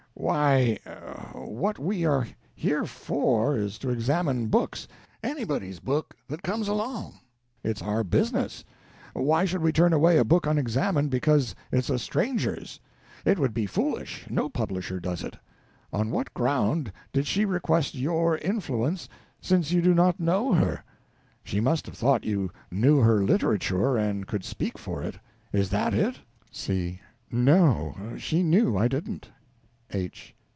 Why, what we are here _for _is to examine books anybody's book that comes along. It's our business. Why should we turn away a book unexamined because it's a stranger's? It would be foolish. No publisher does it. On what ground did she request your influence, since you do not know her? She must have thought you knew her literature and could speak for it. Is that it? C. No; she knew I didn't. H.